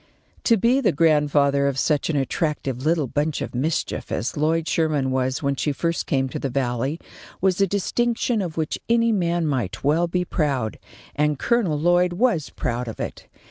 To be the grandfather of such an attractive little bunch of mischief as Lloyd Sherman was when she first came to the Valley was a distinction of which any man might well be proud, and Colonel Lloyd was proud of it.